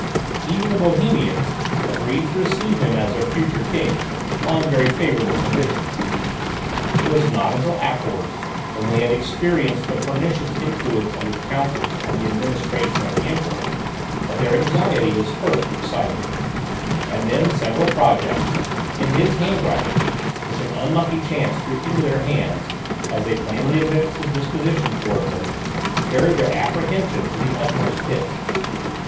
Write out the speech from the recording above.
Even the Bohemians agreed to receive him as their future king, on very favourable conditions. It was not until afterwards, when they had experienced the pernicious influence of his councils on the administration of the Emperor, that their anxiety was first excited; and then several projects, in his handwriting, which an unlucky chance threw into their hands, as they plainly evinced his disposition towards them, carried their apprehension to the utmost pitch.